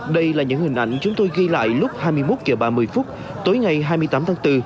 đây là những hình ảnh chúng tôi ghi lại lúc hai mươi một h ba mươi tối ngày hai mươi tám tháng bốn